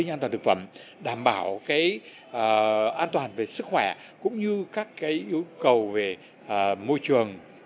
đảm bảo cái an toàn thực phẩm đảm bảo cái an toàn về sức khỏe cũng như các cái ưu cầu về môi trường